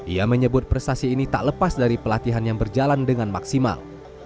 ia menyebut prestasi ini tak lepas dari pelatihan yang berjalan dengan maksimal